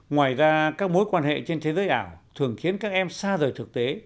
ngoài ra các mối quan hệ trên thế giới ảo thường khiến các em xa rời thực tế